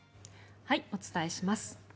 お伝えします。